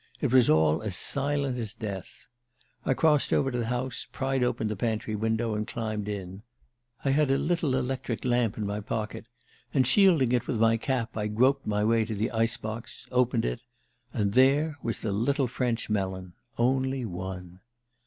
It was all as silent as death. I crossed over to the house, pried open the pantry window and climbed in. I had a little electric lamp in my pocket, and shielding it with my cap I groped my way to the ice box, opened it and there was the little French melon... only one.